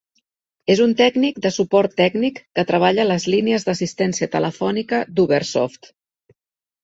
És un tècnic de suport tècnic que treballa a les línies d'assistència telefònica d'Ubersoft.